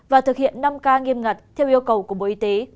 và thực hiện năm ca nghiêm ngặt theo yêu cầu của bộ y tế